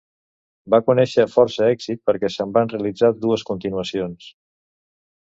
Va conèixer força èxit perquè se'n van realitzar dues continuacions.